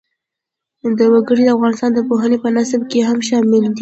وګړي د افغانستان د پوهنې په نصاب کې هم شامل دي.